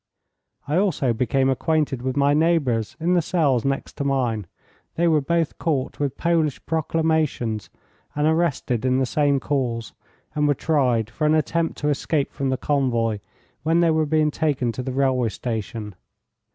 I also became acquainted with my neighbours in the cells next to mine. They were both caught with Polish proclamations and arrested in the same cause, and were tried for an attempt to escape from the convoy when they were being taken to the railway station.